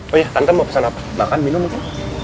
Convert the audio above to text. oh iya tante mau pesan apa makan minum apa